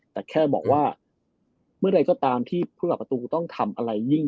แต่แค่บอกว่าเมื่อใดก็ตามที่ผู้หลักประตูต้องทำอะไรยิ่ง